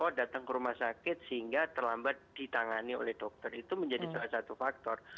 kalau datang ke rumah sakit sehingga terlambat ditangani oleh dokter itu menjadi salah satu faktor